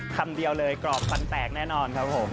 คำเดียวเลยกรอบฟันแตกแน่นอนครับผม